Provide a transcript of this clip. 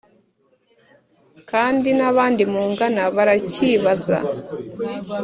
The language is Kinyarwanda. kandi n’abandi mungana barakibaza.